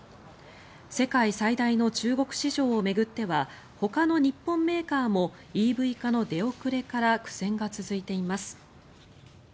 世界最大の中国市場を巡ってはほかの日本メーカーもＥＶ化の出遅れから苦戦が続いています。